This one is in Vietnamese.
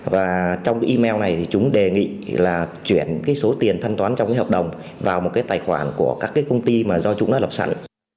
và trong cái email này thì chúng đề nghị là chuyển cái số tiền thanh toán trong cái hợp đồng vào một cái tài khoản của các cái công ty mà do chúng đã lập sẵn